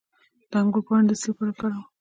د انګور پاڼې د څه لپاره وکاروم؟